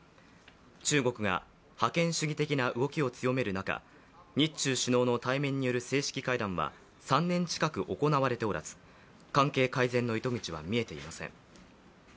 中国が覇権主義的な動きを強める中日中首脳の対面による正式会談は３年近く行われておらず、関係改善の糸口は見えていません。